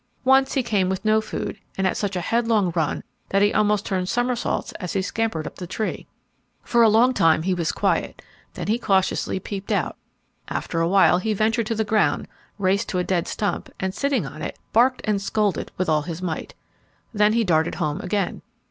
Once he came with no food, and at such a headlong run that he almost turned somersaults as he scampered up the tree. For a long time he was quiet, then he cautiously peeped out. After a while he ventured to the ground, raced to a dead stump, and sitting on it, barked and scolded with all his might. Then he darted home again.